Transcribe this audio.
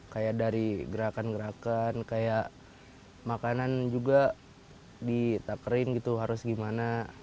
kayak dari gerakan gerakan kayak makanan juga ditakerin gitu harus gimana